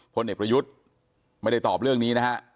พลเอกประยุทธ์ไม่ได้ตอบเรื่องนี้นะฮะ